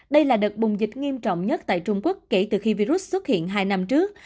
đây là đợt bùng dịch nghiêm trọng nhất tại trung quốc kể từ khi virus xuất hiện hai năm trước